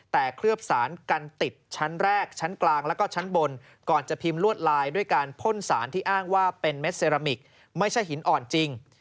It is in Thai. แต่เคลือบสารกันติดชั้นแรกชั้นกลางแล้วก็ชั้นบนก่อนจะพิมพ์ลวดลายด้วยการพ่นสารที่อ้างว่าเป็นเม็ดเซรามิกไม่ใช่หินอ่อนจริง